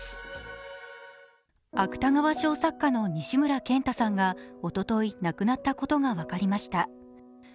芥川賞作家の西村賢太さんがおととい、亡くなったことが分かりました。